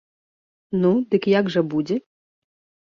Ну, дык як жа будзе?